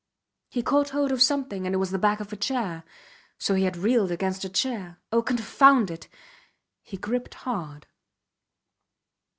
He caught hold of something and it was the back of a chair. So he had reeled against a chair! Oh! Confound it! He gripped hard.